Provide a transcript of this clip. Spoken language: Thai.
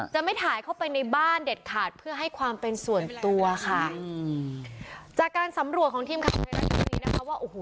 จะไม่ถ่ายเข้าไปในบ้านเด็ดขาดเพื่อให้ความเป็นส่วนตัวค่ะอืมจากการสำรวจของทีมข่าวไทยรัฐทีวีนะคะว่าโอ้โห